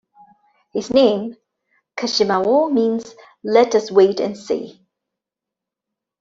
His name, Kashimawo, means "Let us wait and see".